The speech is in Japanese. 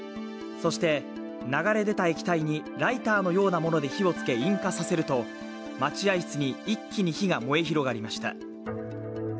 そして、流れ出た液体にライターのようなもので火をつけ引火させると待合室に、一気に火が燃え広がりました。